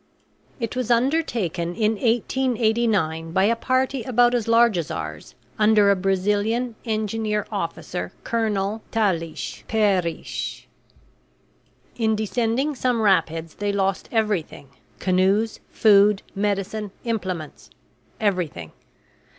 It was undertaken in 1889 by a party about as large as ours under a Brazilian engineer officer, Colonel Telles Peres. In descending some rapids they lost everything canoes, food, medicine, implements everything.